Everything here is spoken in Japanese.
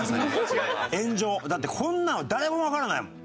だってこんなのは誰もわからないもん。